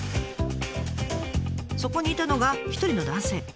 そこにいたのが一人の男性。